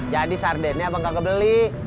jadi sardennya abang kagak beli